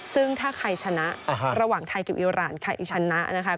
ซึ่งถ้าใครชนะระหว่างไทยกับอิราณใครชนะนะคะ